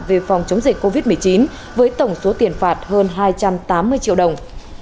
về phòng chống dịch covid một mươi chín với tổng số tiền phạt hơn hai trăm tám mươi triệu đồng